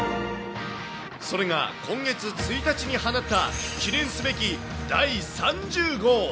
それが今月１日に放った記念すべき第３０号。